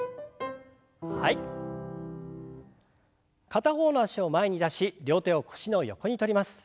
片方の脚を前に出し両手を腰の横に取ります。